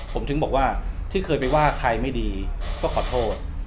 ผมถึงบอกว่าที่เคยไปว่าใครไม่ดีก็ขอโทษ